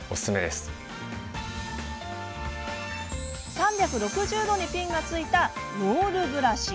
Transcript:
３６０度にピンがついたロールブラシ。